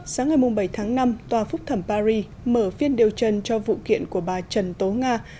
sáng ngày bảy tháng năm tòa phúc thẩm paris mở phiên điều trần cho vụ kiện của bà trần tố nga